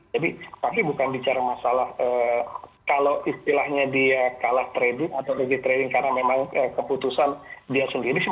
tapi bukan bicara masalah kalau istilahnya dia kalah trading atau lebih trading karena memang keputusan dia sendiri